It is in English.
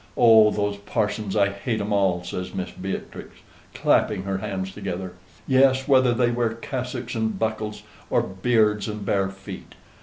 Oh, those parsons, I hate 'em all!" says Mistress Beatrix, clapping her hands together; "yes, whether they wear cassocks and buckles, or beards and bare feet.